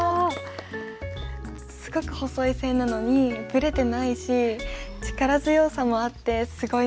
すごく細い線なのにぶれてないし力強さもあってすごいなって思いました。